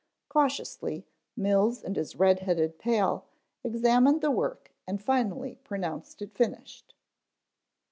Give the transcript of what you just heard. Cautiously Mills and his red headed pal examined the work and finally pronounced it finished.